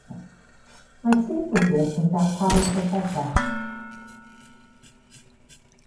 Mae tŷ gwydr yn darparu llysiau ffres.